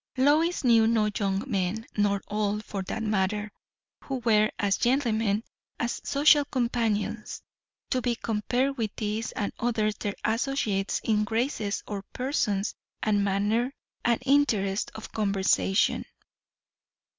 Lois knew no young men, nor old, for that matter, who were, as gentlemen, as social companions, to be compared with these and others their associates in graces of person and manner, and interest of conversation.